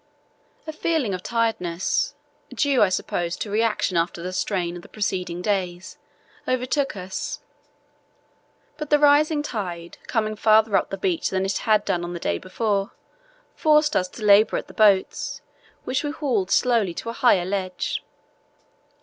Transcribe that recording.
A feeling of tiredness—due, I suppose, to reaction after the strain of the preceding days—overtook us, but the rising tide, coming farther up the beach than it had done on the day before, forced us to labour at the boats, which we hauled slowly to a higher ledge.